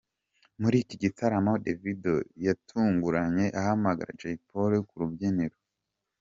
Muri iki gitaramo Davido yatunguranye ahamagara Jay Polly ku rubyiniro.